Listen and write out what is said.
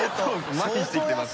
まひしてきてます。